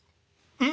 うん。